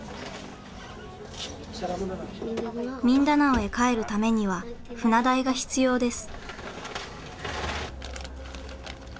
ミンダナオへ帰るためには船代が必要です。